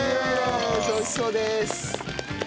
美味しそうです。